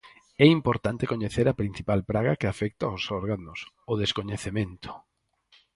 É importante coñecer a principal praga que afecta aos órganos: o descoñecemento.